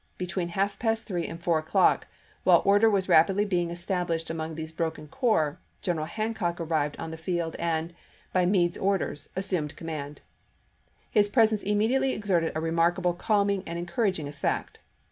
Between chap, ix, half past three and four o'clock,1 while order was rapidly being established among these broken corps, General Hancock arrived on the field and, by Meade's orders, assumed command. His pres ence immediately exerted a remarkable calming and encouraging effect.